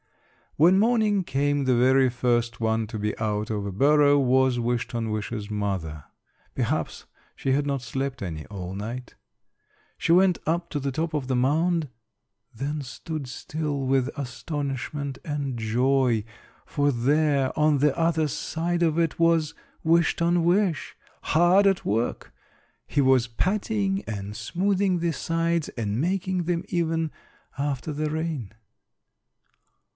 When morning came the very first one to be out of a burrow was Wish ton wish's mother. Perhaps she had not slept any all night. She went up to the top of the mound, then stood still with astonishment and joy; for there, on the other side of it, was Wish ton wish, hard at work. He was patting and smoothing the sides and making them even after the rain.